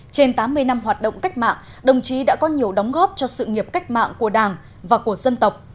trên tám mươi năm hoạt động cách mạng đồng chí đã có nhiều đóng góp cho sự nghiệp cách mạng của đảng và của dân tộc